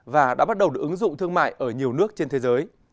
và đã bắt đầu được ứng dụng thương mại ở nhiều nước trên thế giới